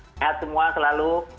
sehat semua selalu